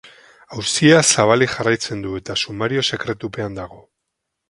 Auzia zabalik jarraitzen du eta sumario-sekretupean dago.